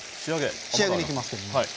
仕上げにいきますけども。